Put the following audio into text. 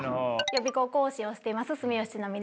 予備校講師をしています住吉千波です。